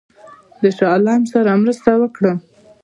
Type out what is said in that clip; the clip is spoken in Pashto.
د شاه عالم سره مرسته وکړم.